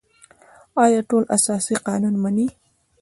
آیا ټول اساسي قانون مني؟